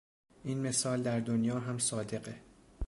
این مثال در دنیا هم صادقه.